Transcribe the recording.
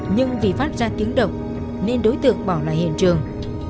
nhưng vì phát ra tiếng động nên đối tượng bỏ lại hiện trường